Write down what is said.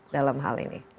dalam hal ini